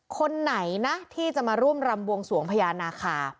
คนไหนนะที่จะมาร่วมรำบวงสวงพญานาคา